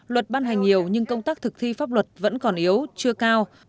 luật ban hành nhiều nhưng công tác thực thi pháp luật vẫn còn yếu chưa cao